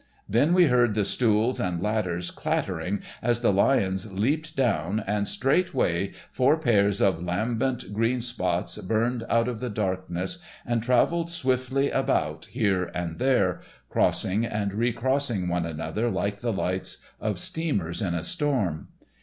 Then we heard the stools and ladders clattering as the lions leaped down, and straightway four pairs of lambent green spots burned out of the darkness and traveled swiftly about here and there, crossing and recrossing one another like the lights of steamers in a storm.